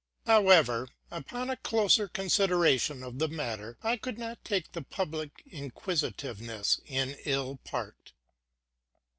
However, upon a closer consideration of the matter, I could not take the public inquisitiveness in ill part.